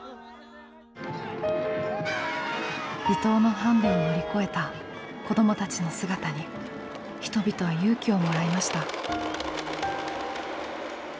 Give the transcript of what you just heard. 離島のハンデを乗り越えた子どもたちの姿に人々は勇気をもらいました。